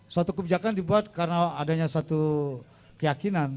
suatu kebijakan dibuat karena adanya satu keyakinan